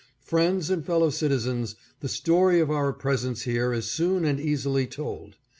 Friends and fellow citizens, the story of our presence here is soon and easily told.